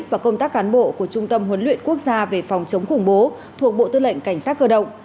và công tác cán bộ của trung tâm huấn luyện quốc gia về phòng chống khủng bố thuộc bộ tư lệnh cảnh sát cơ động